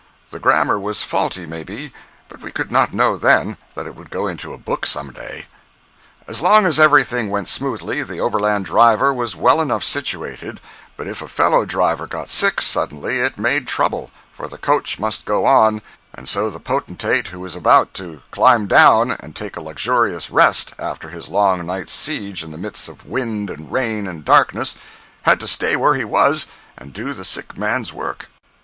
The grammar was faulty, maybe, but we could not know, then, that it would go into a book some day. As long as everything went smoothly, the overland driver was well enough situated, but if a fellow driver got sick suddenly it made trouble, for the coach must go on, and so the potentate who was about to climb down and take a luxurious rest after his long night's siege in the midst of wind and rain and darkness, had to stay where he was and do the sick man's work.